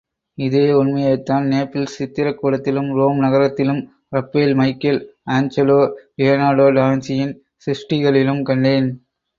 இதே உண்மையைத்தான் நேப்பிள்ஸ் சித்திரக் கூடத்திலும், ரோம் நகரத்திலும், ரப்பேல், மைக்கேல் ஆஞ்சலோ, லியனார்டோ டாவின்சியின் சிருஷ்டிகளிலும் கண்டேன்.